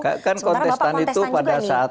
semengkara bapak kontestan juga nih